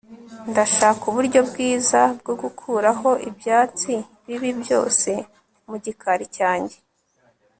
ndashaka uburyo bwiza bwo gukuraho ibyatsi bibi byose mu gikari cyanjye